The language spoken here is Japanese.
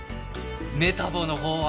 メタボの方は？